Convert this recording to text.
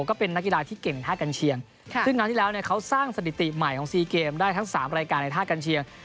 ก็เป็นนักกีฬาที่เก่งท่ากัญเชียงซึ่งครั้งที่แล้วเนี่ยเขาสร้างสถิติใหม่ของซีเกมได้ทั้ง๓รายการในท่ากัญเชียง